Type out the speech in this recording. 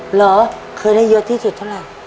เหรอเคยได้เยอะที่สุดเท่าไหร่